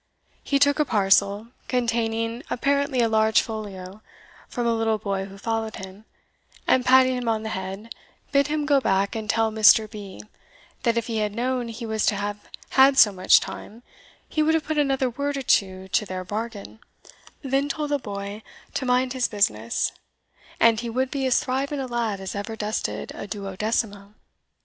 He took a parcel, containing apparently a large folio, from a little boy who followed him, and, patting him on the head, bid him go back and tell Mr. B , that if he had known he was to have had so much time, he would have put another word or two to their bargain, then told the boy to mind his business, and he would be as thriving a lad as ever dusted a duodecimo.